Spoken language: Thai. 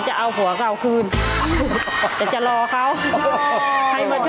เขาก็เลือกรถปกติมา